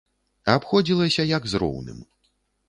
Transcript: Абходзілася, як з роўным.